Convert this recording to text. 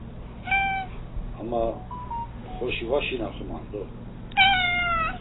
Ama… Xoşi va şinaxuman do!